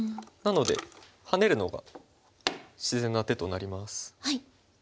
なのでハネるのが自然な手となります。